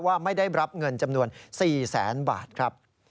ว่าไม่ได้รับเงินจำนวน๔๐๐๐๐๐บาทครับ